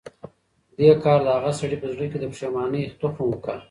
دې کار د هغه سړي په زړه کې د پښېمانۍ تخم وکره.